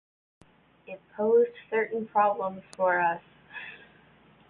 It posed certain problems for us.